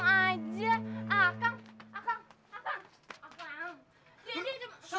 akang dia cuma